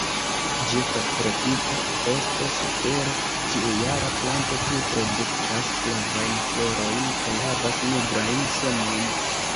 Ĝi estas tropika, frosto-sufera ĉiujara planto kiu produktas flavajn florojn kaj havas nigrajn semojn.